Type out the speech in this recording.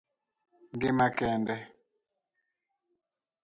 gima kende